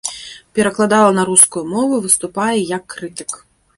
Перакладала на рускую мову, выступае як крытык.